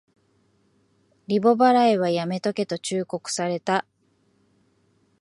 リボ払いはやめとけと忠告された